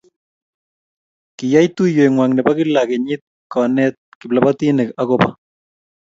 kiyay tuyee wang ne bo kila kenyii konet kiiplobotinik ak ko bo